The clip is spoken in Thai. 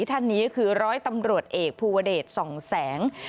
ท่านนี้คือร้อยตำรวจเอกภูวเดชส่องแสง